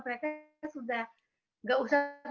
mereka sudah tidak usah